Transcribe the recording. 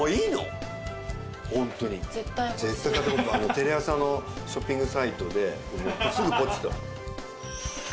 テレ朝のショッピングサイトですぐポチッと。